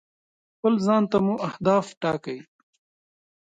خپل ځان ته مو اهداف ټاکئ.